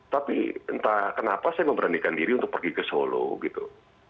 tapi entah kenapa saya memberanikan diri untuk pergi ke solo gitu